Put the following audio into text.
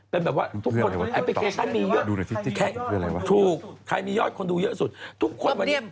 เป็นแบบว่าทุกคนแอปพลิเคชันมีเยอะถูกใครมียอดคนดูเยอะสุดทุกคนวันนี้